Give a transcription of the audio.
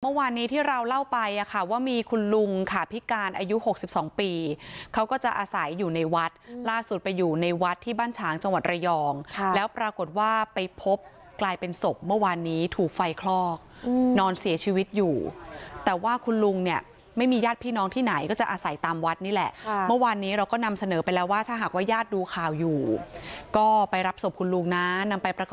เมื่อวันนี้ที่เราเล่าไป